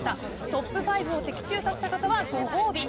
トップ５を的中させた方はご褒美。